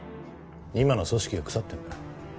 今の組織が腐ってるんだ。